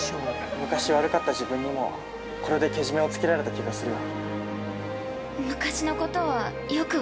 昔悪かった自分にもこれでけじめをつけられた気がするよ。